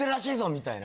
みたいな。